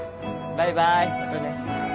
バイバイまたね。